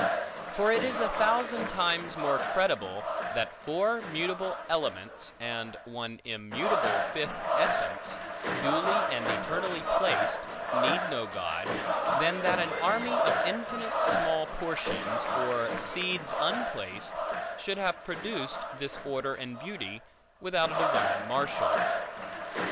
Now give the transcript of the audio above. For it is a thousand times more credible, that four mutable elements, and one immutable fifth essence, duly and eternally placed, need no God, than that an army of infinite small portions, or seeds unplaced, should have produced this order and beauty, without a divine marshal.